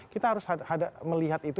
kita harus melihat itu